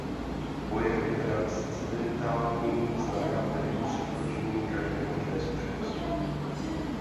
Pojem "transcendentální" znamená tedy překročení každé možné zkušenosti.